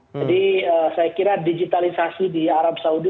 jadi saya kira digitalisasi di arab saudi